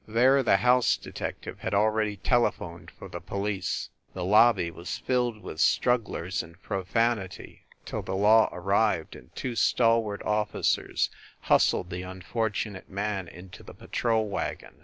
There the house detective had already tele phoned for the police. The lobby was rilled with strugglers and profanity till the law arrived and two stalwart officers hustled the unfortunate man into the patrol wagon.